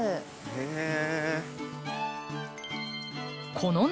へえ。